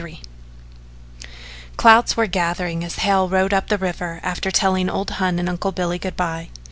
XXXIII Clouds were gathering as Hale rode up the river after telling old Hon and Uncle Billy good by.